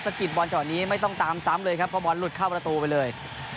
กิดบอลจังหวะนี้ไม่ต้องตามซ้ำเลยครับเพราะบอลหลุดเข้าประตูไปเลย